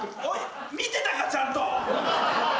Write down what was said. おい見てたかちゃんと。